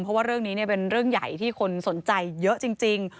เพราะว่าเรื่องนี้เป็นเรื่องใหญ่ที่คนสนใจเยอะจริง